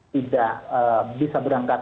tidak bisa berangkat